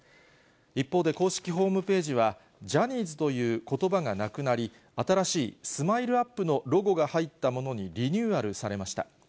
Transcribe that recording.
一方で公式ホームページは、ジャニーズということばがなくなり、新しいスマイルアップのロゴが入ったものにリニューアルされました。